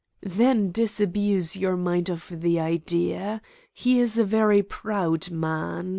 "Then disabuse your mind of the idea. He is a very proud man.